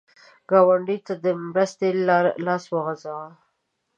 ګاونډي ته د مرستې لاس وغځوه